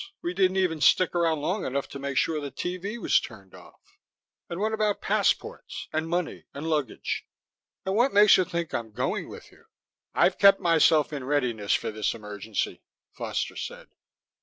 We didn't even stick around long enough to make sure the TV was turned off. And what about passports, and money, and luggage? And what makes you think I'm going with you?" "I've kept myself in readiness for this emergency," Foster said.